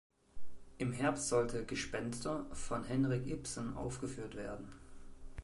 Im Herbst sollte "Gespenster" von Henrik Ibsen aufgeführt werden.